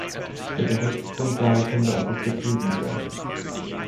Mit der Rechtsgrundlage können wir also zufrieden sein.